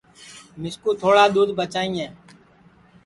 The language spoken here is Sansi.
مِسکُو تھوڑا دُدھ بچائیئے